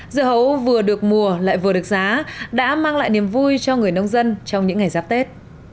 dưa hấu vừa được mùa lại vừa được giá đã mang lại niềm vui cho người nông dân trong những ngày giáp tết